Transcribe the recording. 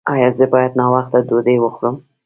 ایا زه باید ناوخته ډوډۍ وخورم؟